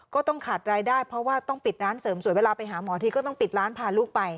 ก็ต้องขาดรายได้เพราะว่าต้องปิดร้านเสริมสวยเวลาไปหาหมอทีก็ต้องปิดร้านพาลูกไป